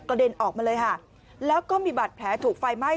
เด็นออกมาเลยค่ะแล้วก็มีบาดแผลถูกไฟไหม้